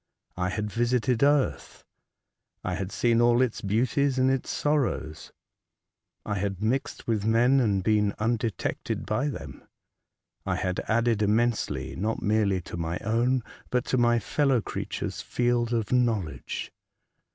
I had visited 74 A Voyage to Other Worlds, eartli, I had seen all its beauties and its sorrows ; I had mixed with men, and been undetected by them ; I had added immensely, not merely to my own, but to my fellow creatures' field of knowledge.